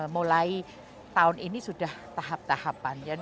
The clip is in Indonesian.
mulai tahun ini sudah tahap tahapan